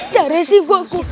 cari si buahku